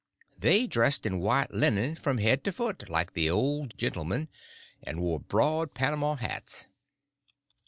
They dressed in white linen from head to foot, like the old gentleman, and wore broad Panama hats.